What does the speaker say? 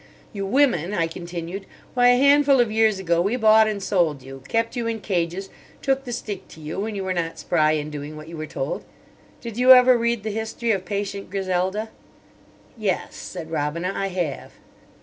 "You women," I continued; "why, a handful of years ago we bought and sold you, kept you in cages, took the stick to you when you were not spry in doing what you were told. Did you ever read the history of Patient Griselda?" "Yes," said Robina, "I have."